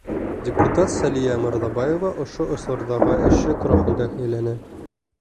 Депутат Сәлиә МЫРҘАБАЕВА ошо осорҙағы эше тураһында һөйләне.